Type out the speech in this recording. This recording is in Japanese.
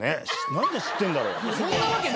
何で知ってんだろう？